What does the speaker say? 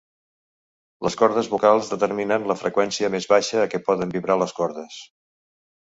Les cordes vocals determinen la freqüència més baixa a què poden vibrar les cordes.